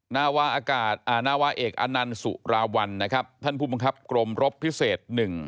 นาวาเอกอันนันสุราวันท่านผู้บังคับกรมรบพิเศษ๑